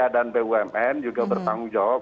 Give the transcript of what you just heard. dan bumn juga bertanggung jawab